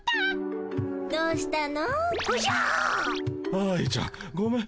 愛ちゃんごめん。